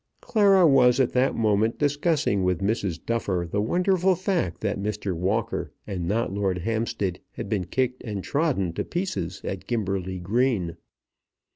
Clara was at that moment discussing with Mrs. Duffer the wonderful fact that Mr. Walker and not Lord Hampstead had been kicked and trodden to pieces at Gimberley Green.